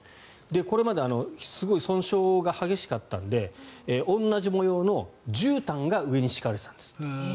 これまですごい損傷が激しかったんで同じ模様のじゅうたんが上に敷かれていたんですって。